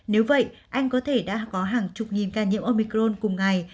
nếu vậy anh có thể đã có hàng chục nghìn ca nhiễm omicron cùng ngày